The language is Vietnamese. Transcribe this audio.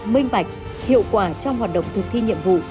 minh bạch hiệu quả trong hoạt động thực thi nhiệm vụ